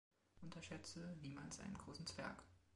Unterschätze niemals einen großen Zwerg!